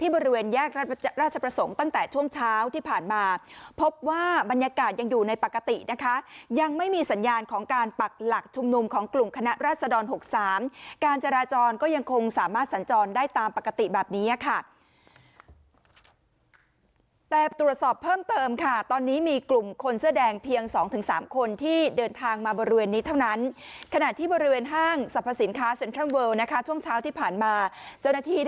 บริเวณแยกราชประสงค์ตั้งแต่ช่วงเช้าที่ผ่านมาพบว่าบรรยากาศยังอยู่ในปกตินะคะยังไม่มีสัญญาณของการปักหลักชมนุมของกลุ่มคณะราชดร๖๓การจราจรก็ยังคงสามารถสัญจรได้ตามปกติแบบนี้ค่ะแต่ตรวจสอบเพิ่มเติมค่ะตอนนี้มีกลุ่มคนเสื้อแดงเพียง๒๓คนที่เดินทางมาบริเวณนี้เท่านั้นขณะท